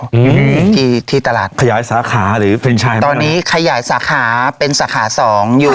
อืมที่ที่ตลาดขยายสาขาหรือเป็นชัยตอนนี้ขยายสาขาเป็นสาขาสองอยู่